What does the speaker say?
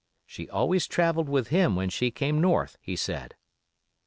She always travelled with him when she came North, he said.